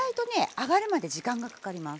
揚がるまで時間がかかります。